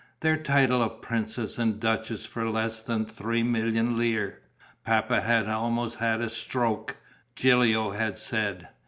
Their title of princess and duchess for less than three million lire! Papa had almost had a stroke, Gilio had said.